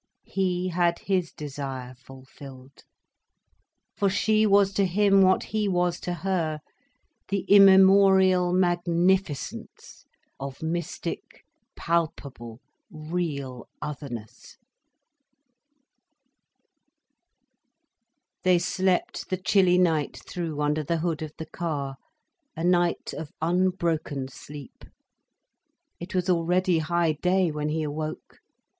He had his desire fulfilled. For she was to him what he was to her, the immemorial magnificence of mystic, palpable, real otherness. They slept the chilly night through under the hood of the car, a night of unbroken sleep. It was already high day when he awoke.